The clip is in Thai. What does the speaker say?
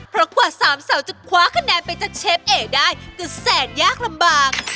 เพราะกว่าสามเสาจะคว้าคะแนนไปจากเชฟเอกได้ก็แสนยากลำบาก